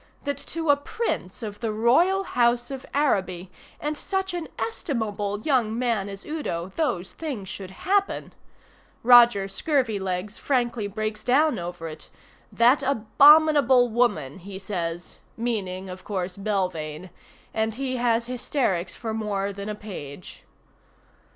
That to a Prince of the Royal House of Araby, and such an estimable young man as Udo, those things should happen. Roger Scurvilegs frankly breaks down over it. "That abominable woman," he says (meaning, of course, Belvane), and he has hysterics for more than a page.